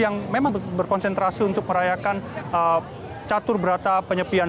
yang memang berkonsentrasi untuk merayakan catur berata penyepian